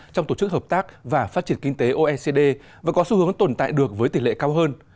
trong tổ chức hợp tác và phát triển kinh tế oecd và có xu hướng tồn tại được với tỷ lệ cao hơn